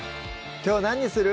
きょう何にする？